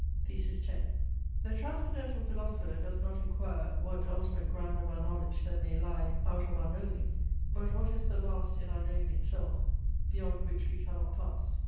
THESIS X The transcendental philosopher does not inquire, what ultimate ground of our knowledge there may lie out of our knowing, but what is the last in our knowing itself, beyond which we cannot pass.